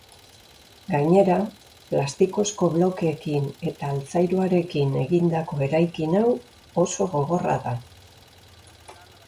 Gainera, plastikozko blokeekin eta altzairuarekin egindako eraikin hau oso gogorra da.